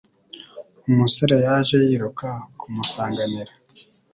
Umusore yaje yiruka kumusanganira